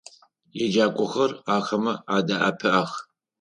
Еджакӏохэр ахэмэ адэӏэпыӏэх.